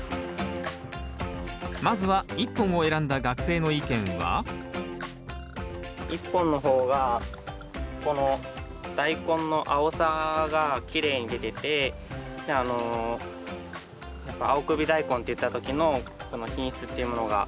まずは１本を選んだ学生の意見は１本の方がこのダイコンの青さがきれいに出ててやっぱ青首ダイコンって言った時の品質っていうものが分かるのかな。